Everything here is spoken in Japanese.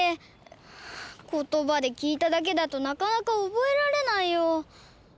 ことばできいただけだとなかなかおぼえられないよ。